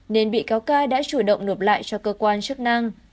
nên bị cáo ca đã chủ động nộp lại cho cơ quan chức năng